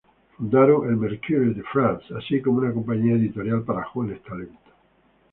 Fundaron el "Mercure de France" así como una compañía editorial para jóvenes talentos.